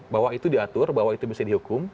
bahwa itu diatur bahwa itu bisa dihukum